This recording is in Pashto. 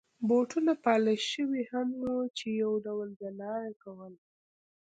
بوټونه پالش شوي هم وو چې یو ډول ځلا يې کول.